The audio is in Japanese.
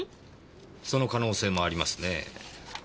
その可能性もありますねえ。